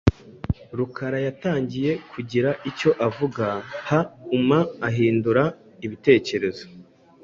Rukara yatangiye kugira icyo avuga, hauma ahindura ibitekerezo.